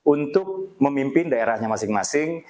untuk memimpin daerahnya masing masing